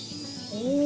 お。